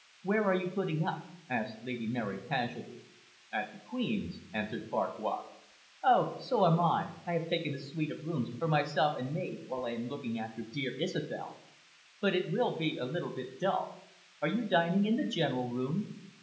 "Where are you putting up?" asked Lady Mary casually. "At the `Queen's,'" answered Farquhar. "Oh, so am I. I have taken a suite of rooms for myself and maid, while I am looking after dear Isobel. But it will be a little bit dull. Are you dining in the general room?"